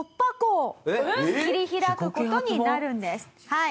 はい。